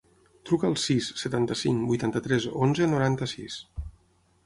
Truca al sis, setanta-cinc, vuitanta-tres, onze, noranta-sis.